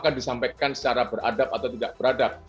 kan disampaikan secara beradab atau tidak beradab